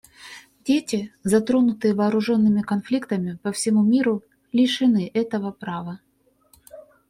Дети, затронутые вооруженными конфликтами по всему миру, лишены этого права.